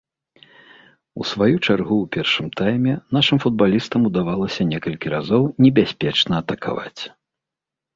У сваю чаргу ў першым тайме нашым футбалістам удавалася некалькі разоў небяспечна атакаваць.